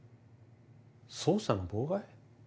捜査の妨害？